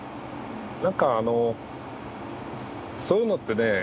なんかあのそういうのってね